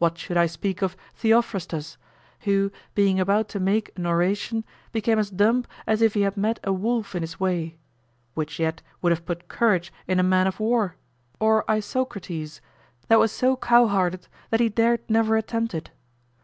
What should I speak of Theophrastus, who being about to make an oration, became as dumb as if he had met a wolf in his way, which yet would have put courage in a man of war? Or Isocrates, that was so cowhearted that he dared never attempt it?